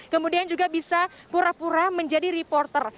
kemudian juga bisa pura pura menjadi reporter